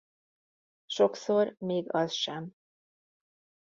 Sokszor még az sem.